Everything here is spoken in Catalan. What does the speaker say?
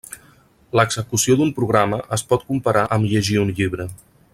L'execució d'un programa es pot comparar amb llegir un llibre.